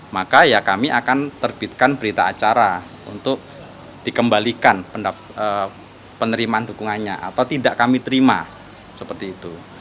maka ya kami akan terbitkan berita acara untuk dikembalikan penerimaan dukungannya atau tidak kami terima seperti itu